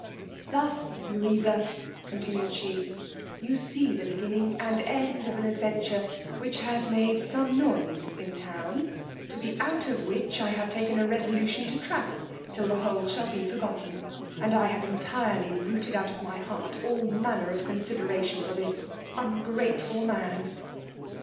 Thus, Louisa, continued she, you see the beginning and end of an adventure which has made some noise in town, to be out of which I have taken a resolution to travel till the whole shall be forgotten, and I have entirely rooted out of my heart all manner of consideration for this ungrateful man.